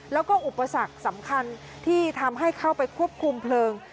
แล้วก็อุปสรรคสำคัญที่ทำให้เข้าไปควบคุมเพลิง